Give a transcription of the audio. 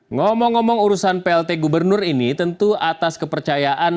ngomong ngomong urusan plt gubernur ini tentu atas kepercayaan